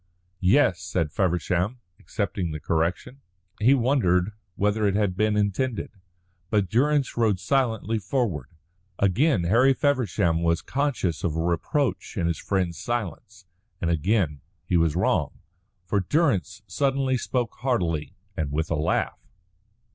"Yes," said Feversham, accepting the correction. He wondered whether it had been intended. But Durrance rode silently forward. Again Harry Feversham was conscious of a reproach in his friend's silence, and again he was wrong. For Durrance suddenly spoke heartily, and with a laugh.